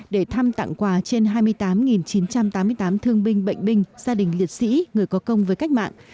để thăm tặng quà trên hai mươi tám chín trăm tám mươi tám thương binh bệnh binh gia đình liệt sĩ người có công với cách mạng